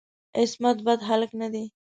عصمت بد هلک نه دی.